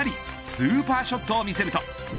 スーパーショットを見せると。